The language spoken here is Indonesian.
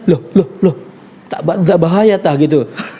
loh loh tak bahaya tak gitu